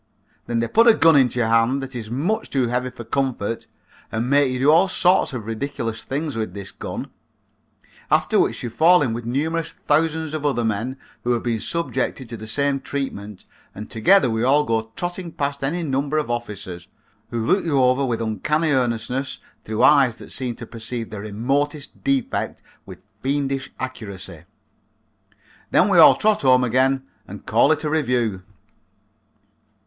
Then they put a gun into your hand that is much too heavy for comfort and make you do all sorts of ridiculous things with this gun, after which you fall in with numerous thousands of other men who have been subjected to the same treatment, and together we all go trotting past any number of officers, who look you over with uncanny earnestness through eyes that seem to perceive the remotest defect with fiendish accuracy. Then we all trot home again and call it a review.